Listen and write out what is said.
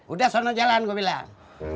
udah sono jalan gue bilang